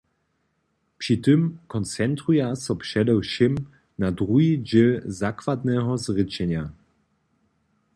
Při tym koncentruja so předewšěm na druhi dźěl zakładneho zrěčenja.